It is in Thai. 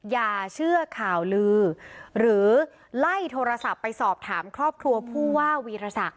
อย่าเชื่อข่าวลือหรือไล่โทรศัพท์ไปสอบถามครอบครัวผู้ว่าวีรศักดิ